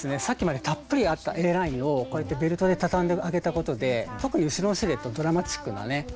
さっきまでたっぷりあったＡラインをこうやってベルトで畳んであげたことで特に後ろのシルエットドラマチックなね